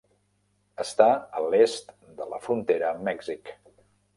Està a l'est de la frontera amb Mèxic.